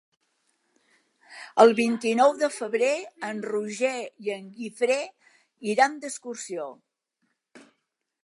El vint-i-nou de febrer en Roger i en Guifré iran d'excursió.